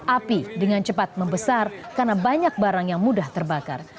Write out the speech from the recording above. api dengan cepat membesar karena banyak barang yang mudah terbakar